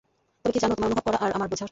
তবে কী জানো, তোমার অনুভব করা আর আমার বোঝার।